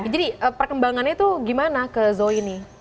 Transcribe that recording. jadi perkembangannya tuh gimana ke zoe ini